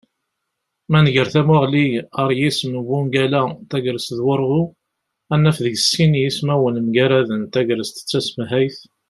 Ma nger tamuγli ar yisem n wungal-a "tagrest d wurγu", ad naf deg-s sin yismawen mgaraden: tegrest d tasemhayt